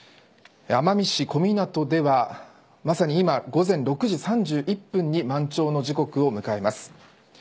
奄美市小湊ではまさに今、午前６時３１分に満潮の時刻を迎えます。